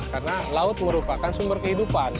karena laut merupakan sumber kehidupan